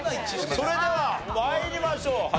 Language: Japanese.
それでは参りましょう。